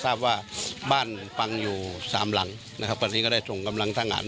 ทราบว่าบ้านฟังอยู่สามหลังนะครับตอนนี้ก็ได้ส่งกำลังทหาร